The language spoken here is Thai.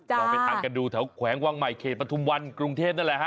ลองไปทานกันดูแถวแขวงวังใหม่เขตปฐุมวันกรุงเทพนั่นแหละฮะ